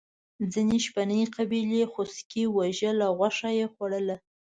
ځینې شپنې قبیلې خوسکي وژل او غوښه یې خوړله.